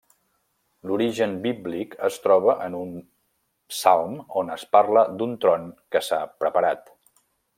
L'origen bíblic es troba en un psalm on es parla d'un tron que s'ha preparat.